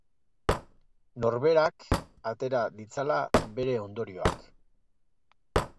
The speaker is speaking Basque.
Norberak atera ditzala bere ondorioak.